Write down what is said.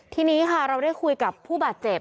ทีนี้ค่ะเราได้คุยกับผู้บาดเจ็บ